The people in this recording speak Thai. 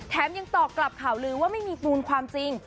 ยังตอบกลับข่าวลือว่าไม่มีมูลความจริง